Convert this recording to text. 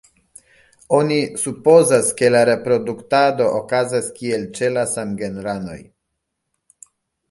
Oni supozas, ke la reproduktado okazas kiel ĉe la samgenranoj.